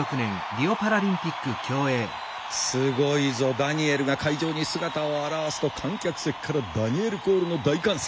すごいぞダニエルが会場に姿を現すと観客席からダニエルコールの大歓声！